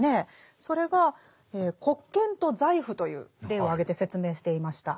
それが国権と財富という例を挙げて説明していました。